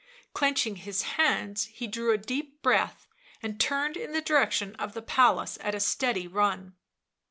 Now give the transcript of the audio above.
Clenching his hands, he drew a deep breath, and turned in the direction of the palace at a steady run.